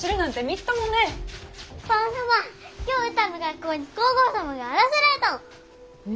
今日うたの学校に皇后様があらせられたの！え？